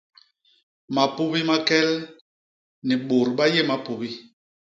Mapubi ma kel; ni bôt ba yé mapubi.